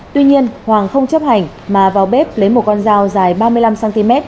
tuy nhiên hoàng không chấp hành mà vào bếp lấy một con dao dài ba mươi năm cm